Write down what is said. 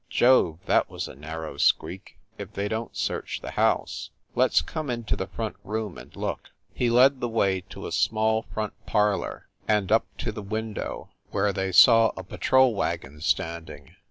"Jove, that was a narrow squeak if they don t search the house! Let s come into the front room and look." He led the way to a small front parlor, and up to the window, where they saw a patrol wagon standing.